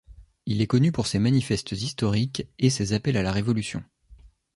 Il est connu pour ses manifestes historiques et ses appels à la révolution.